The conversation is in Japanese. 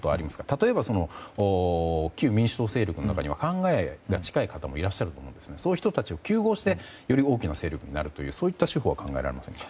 例えば、旧民主党勢力の中にも考えが近い方もいらっしゃると思うんですがそういう人たちを糾合してより大きな勢力になる手法は考えられますか？